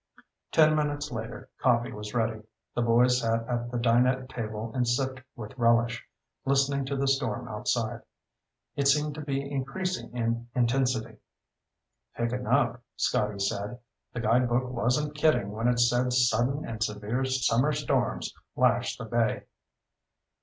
Ten minutes later coffee was ready. The boys sat at the dinette table and sipped with relish, listening to the storm outside. It seemed to be increasing in intensity. "Picking up," Scotty said. "The guidebook wasn't kidding when it said 'sudden and severe summer storms lash the bay.'"